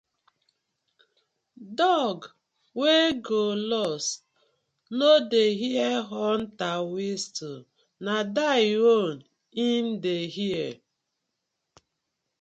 Dog wey go lost no dey hear hunter whistle na die own im dey hear.